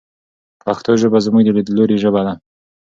پښتو ژبه زموږ د لیدلوري ژبه ده.